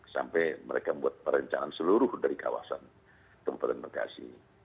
sampai mereka membuat perencanaan seluruh dari kawasan kabupaten bekasi